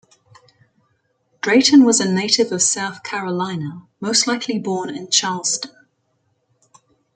Drayton was a native of South Carolina, most likely born in Charleston.